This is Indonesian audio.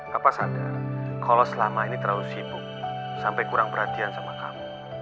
papa sadar kalau selama ini terlalu sibuk sampai kurang perhatian sama kamu